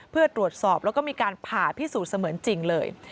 เพื่อตรวจสอบแล้วก็มีการผ่าพิสูจน์เสมือนจริงเลย